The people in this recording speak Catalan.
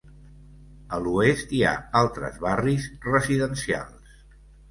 A l'oest hi ha altres barris residencials.